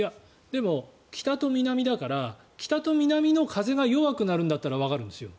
でも、北と南だから北と南の風が弱くなるんだったらわかるんですよ。